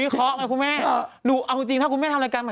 ถ้าคุณแม่ทำรายการไหม